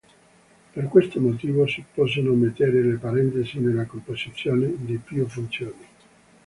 Per questo motivo si possono omettere le parentesi nella composizione di più funzioni.